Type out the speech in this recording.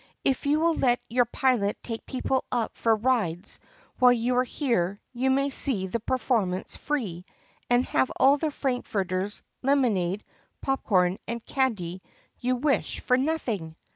"If you will let your pilot take people up for rides while you are here you may see the performance free and have all the frankfurters, lemonade, pop corn, and candy you wish, for nothing."